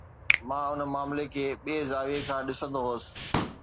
مان ان معاملي کي ٻئي زاويي کان ڏسندو هوس.